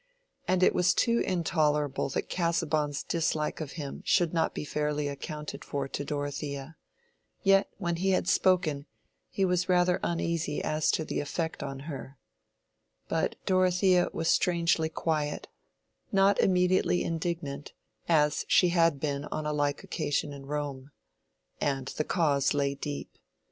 And it was too intolerable that Casaubon's dislike of him should not be fairly accounted for to Dorothea. Yet when he had spoken he was rather uneasy as to the effect on her. But Dorothea was strangely quiet—not immediately indignant, as she had been on a like occasion in Rome. And the cause lay deep.